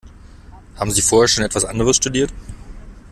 Haben Sie vorher schon etwas anderes studiert?